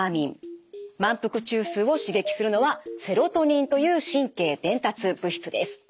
満腹中枢を刺激するのはセロトニンという神経伝達物質です。